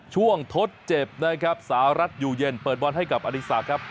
ช่วงทศเจ็บนะครับสหรัฐอยู่เย็นเปิดบอลให้กับอธิษฐาครับ